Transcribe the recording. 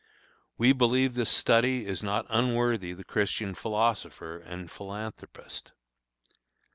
We believe this study is not unworthy the Christian philosopher and philanthropist.